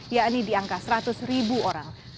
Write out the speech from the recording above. yakni di angka seratus ribu orang